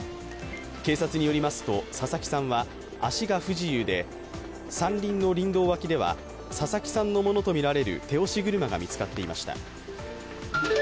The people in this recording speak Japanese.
警察によりますと佐々木さんは足が不自由で山林の林道脇では佐々木さんのものとみられる手押し車が見つかっていました。